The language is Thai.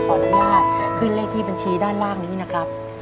ขออนุญาตขึ้นเลขที่บัญชีด้านล่างนี้นะครับ